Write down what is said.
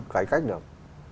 khải cách được